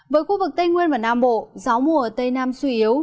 với khu vực tây nguyên và nam bộ gió mùa tây nam suy yếu